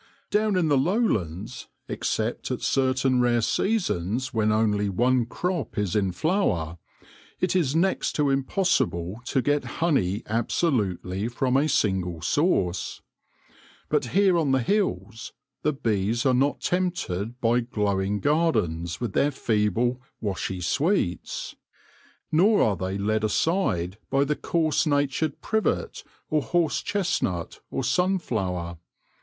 Down in the lowlands, except at certain rare seasons when only one crop is in flower, it is next to impossible to get honey absolutely from a single source. But here on the hills the bees are not tempted by glowing gardens with their feeble, washy sweets ; nor are they led aside by the coarse natured privet, or horse chestnut, or sunflower.